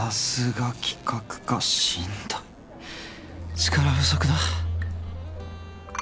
力不足だ。